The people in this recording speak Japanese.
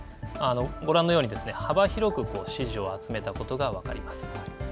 ご覧のように幅広く支持を集めたことが分かります。